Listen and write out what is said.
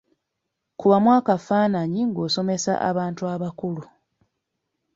Kubamu akafaananyi ng'osomesa abantu abakulu.